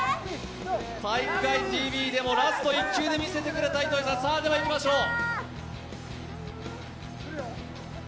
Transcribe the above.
「体育会ＴＶ」でもラスト１球で見せてくれた糸井さんさあ、ではいきましょう。